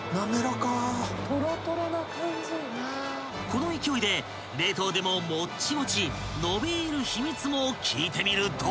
［この勢いで冷凍でももっちもち伸びーる秘密も聞いてみると］